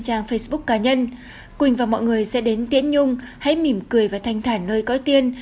trang facebook cá nhân quỳnh và mọi người sẽ đến tiễn nhung hãy mỉm cười và thanh thản nơi có tiên